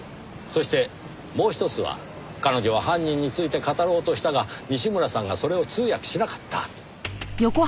そしてもう一つは彼女は犯人について語ろうとしたが西村さんがそれを通訳しなかった。